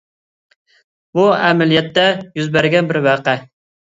بۇ ئەمەلىيەتتە يۈز بەرگەن بىر ۋەقە.